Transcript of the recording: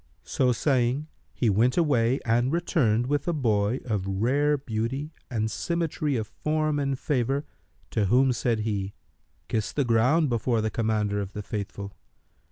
So saying he went away and returned with a boy of rare beauty and symmetry of form and favour to whom said he, "Kiss the ground before the Commander of the Faithful."